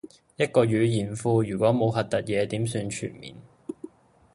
一個語音庫如果冇核突嘢點算全面